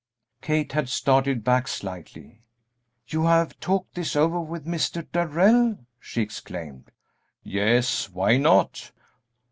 Kate had started back slightly. "You have talked this over with Mr. Darrell?" she exclaimed. "Yes, why not?"